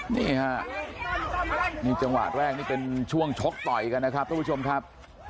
นี่ฮะนี่จังหวะแรกนี่เป็นช่วงชกต่อยกันนะครับทุกผู้ชมครับ